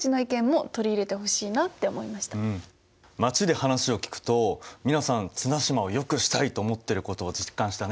街で話を聞くと皆さん綱島をよくしたいと思ってることを実感したね。